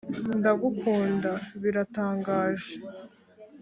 "ndagukunda." biratangaje